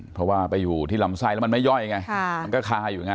เพราะว่าไปอยู่ที่ลำไส้แล้วมันไม่ย่อยไงมันก็คาอยู่ไง